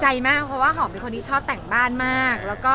ยังมากเพราะหนูชอบแต่งบ้านมาก